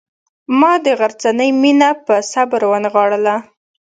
ما د غرڅنۍ مینه په صبر ونغاړله.